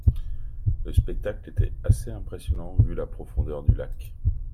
Le spectacle était assez impressionnant vu la profondeur du lac.